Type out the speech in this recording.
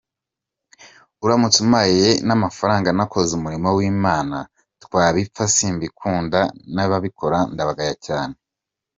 Uramutse umpaye n’amafaranga nakoze umurimo w’Imana twabipfa simbikunda n’ababikora ndabagaya cyane.